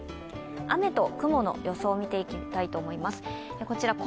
雨と雲の予想を見ていきたいと思います。